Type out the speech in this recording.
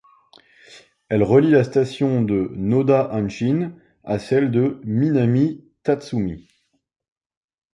Elle relie la station de Nodahanshin à celle de Minami-Tatsumi.